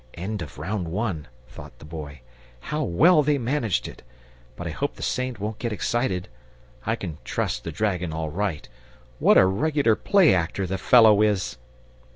"End of Round One!" thought the Boy. "How well they managed it! But I hope the Saint won't get excited. I can trust the dragon all right. What a regular play actor the fellow is!"